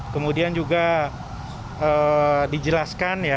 kemudian juga dijelaskan ya